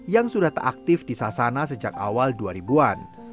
yang sudah tak aktif di sasana sejak awal dua ribu an